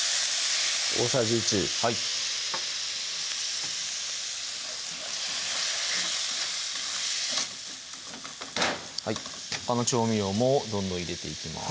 大さじ１はいほかの調味料もどんどん入れていきます